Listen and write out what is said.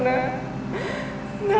gak akan pernah